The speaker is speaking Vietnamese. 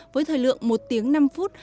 với thời lượng một tiếng năm phút